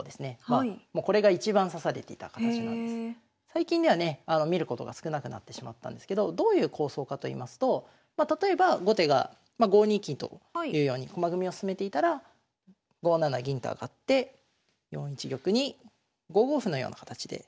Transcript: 最近ではね見ることが少なくなってしまったんですけどどういう構想かといいますと例えば後手が５二金というように駒組みを進めていたら５七銀と上がって４一玉に５五歩のような形で。